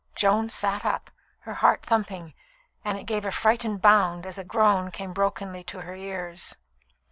Joan sat up, her heart thumping, and it gave a frightened bound as a groan came brokenly to her ears.